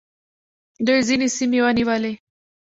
دوی ځینې سیمې ونیولې